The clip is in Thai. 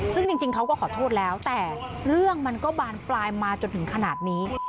ซึ่งจริงเขาก็ขอโทษแล้วแต่เรื่องมันก็บานปลายมาจนถึงขนาดนี้